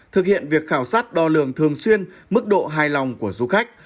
thực hiện việc khảo sát đo lường thường xuyên mức độ hài lòng của du khách